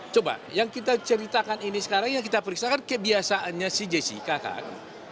coba yang kita ceritakan ini sekarang yang kita periksa kan kebiasaannya si jessica kan